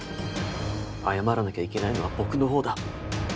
謝らなきゃいけないのは僕の方だ。